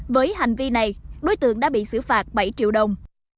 với hành vi này đối tượng đã bị xử phạt bảy triệu đồng